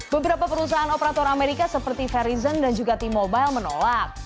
beberapa perusahaan operator amerika seperti verizon dan juga t mobile menolak